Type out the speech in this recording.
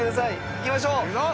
いきましょう。